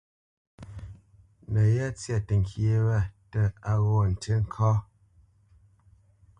No yá tsya təŋkyé wa tə á ti ŋgó ŋká.